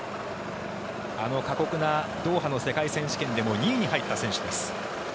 あの過酷なドーハの世界選手権でも２位に入った選手です。